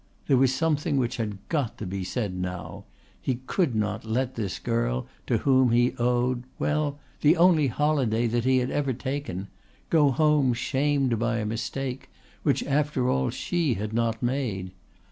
There was something which had got to be said now. He could not let this girl to whom he owed well, the only holiday that he had ever taken, go home shamed by a mistake, which after all she had not made.